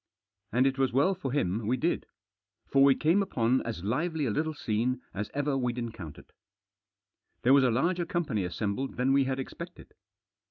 And it was well for him we did. For we came upon as lively a little scene as ever we'd encountered. There was a larger company assembled than we had expected.